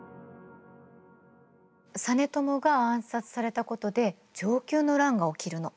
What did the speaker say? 実朝が暗殺されたことで承久の乱が起きるの。